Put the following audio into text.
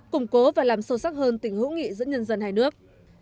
củng cố và làm sâu sắc hơn tình hữu nghị giữa nhân dân hai nước